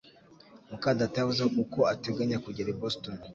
muka data yavuze uko ateganya kugera i Boston?